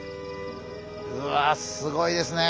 うわすごいですね。